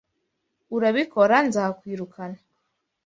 Urabikora nzakwirukana.